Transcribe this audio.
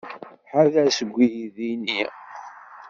Ḥader seg uydi-nni!